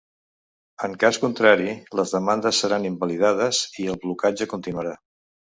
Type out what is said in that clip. En cas contrari les demandes seran invalidades i el blocatge continuarà.